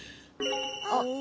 あっ！